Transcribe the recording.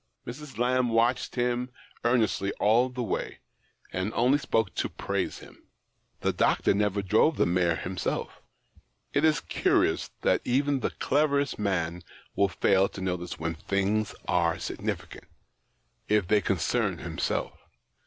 Mrs. Lamb watphed him earnestly all the way, and only spoke to praise him. The doctor never drove the mare himself. It is curious that even the cleverest man will fail to notice when things are significant, if they concern himself.